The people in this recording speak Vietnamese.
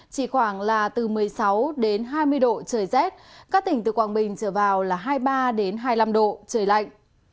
chỉ khoảng là từ một mươi sáu đến hai mươi độ trời rét các tỉnh từ quảng bình trở vào là hai mươi ba hai mươi năm độ trời lạnh